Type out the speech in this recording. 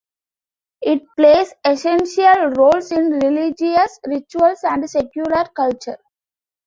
It plays essential roles in religious rituals and secular culture.